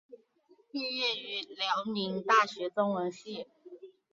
毕业于辽宁大学中文系。